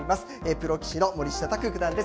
プロ棋士の森下卓九段です。